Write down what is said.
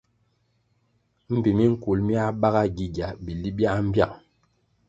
Mbpi minkul miáh bágá gigia bili biáh mbiang.